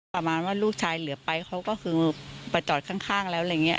ประมาณว่าลูกชายเหลือไปเขาก็คือมาจอดข้างแล้วอะไรอย่างนี้